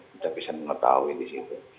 sudah bisa mengetahui di situ